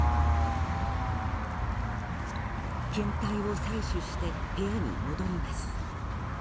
検体を採取して部屋に戻ります。